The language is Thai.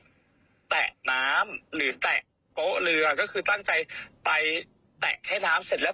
ก็แตะน้ำหรือแตะโป๊ะเรือก็คือตั้งใจไปแตะแค่น้ำเสร็จแล้ว